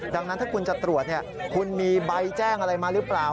ดังนั้นถ้าคุณจะตรวจคุณมีใบแจ้งอะไรมาหรือเปล่า